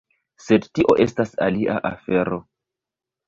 Sed tio estas alia afero.